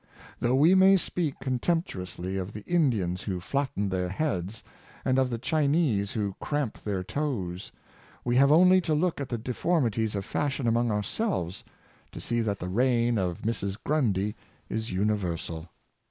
Though we may speak con temptuously of the Indians who flatten their heads, and of the Chinese who cramp their toes, we have only to look at the deformities of fashion among ourselves, to see that the reign of " Mrs. Grundy " is universal.